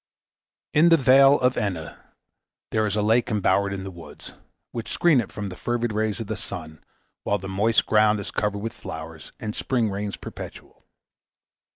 In the vale of Enna there is a lake embowered in woods, which screen it from the fervid rays of the sun, while the moist ground is covered with flowers, and Spring reigns perpetual.